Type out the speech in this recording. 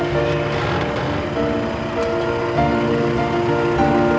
bahkan di mana mana